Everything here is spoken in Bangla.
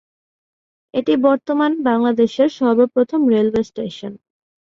এটি বর্তমান বাংলাদেশের সর্বপ্রথম রেলওয়ে স্টেশন।